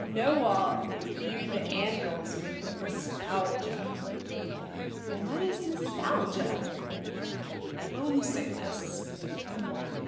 "Knowall imbued the An vils with nostalgia." "What is nostalgia?" "Home sickness."